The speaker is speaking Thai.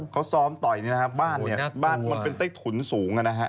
เค้าซ้อมต่อยบ้านมันเป็นเจ๊ถุนสูง